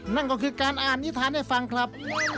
นั่นก็คือการอ่านนิษฐานให้ฟังครับ